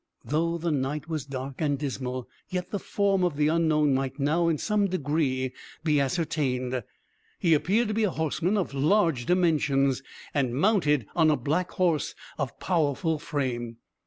Though the night was dark and dismal, yet the form of the unknown might now in some degree be ascertained. He appeared to be a horseman of large dimensions, and mounted on a black horse of powerful frame.